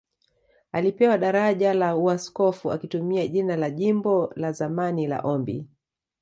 Alipewa daraja la Uaskofu akitumia jina la jimbo la zamani la Ombi